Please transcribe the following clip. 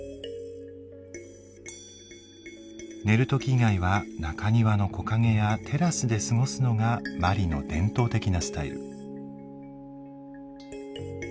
寝る時以外は中庭の木陰やテラスで過ごすのがマリの伝統的なスタイル。